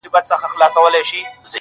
چي د ظلم په پیسو به دي زړه ښاد وي-